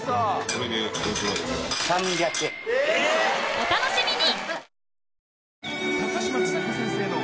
お楽しみに！